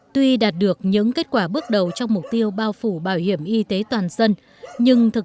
tuy đạt được những kết quả bước đầu trong mục tiêu bao phủ bảo hiểm y tế toàn dân nhưng thực